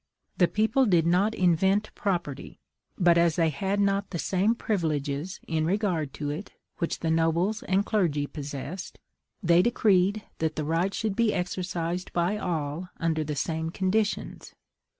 The people did not invent property; but as they had not the same privileges in regard to it, which the nobles and clergy possessed, they decreed that the right should be exercised by all under the same conditions.